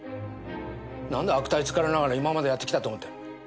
なんで悪態つかれながら今までやってきたと思ってる。